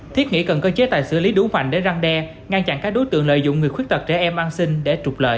thiết nghĩ cần có chế tài xử lý đủ mạnh để răng đe ngăn chặn các đối tượng lợi dụng người khuyết tật trẻ em an sinh để trục lợi